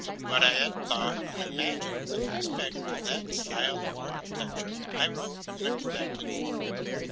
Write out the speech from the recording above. What I had thought and imagined with respect to that style of architecture, I wrote in a connected form.